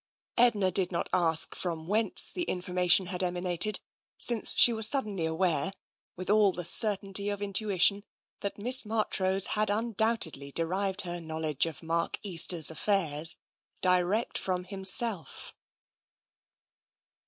Edna did not ask from whence the information had emanated, since she was suddenly aware, with all the certainty of intuition, that Miss Marchrose had un doubtedly derived her knowledge of Mark Easter's affairs direct from himself.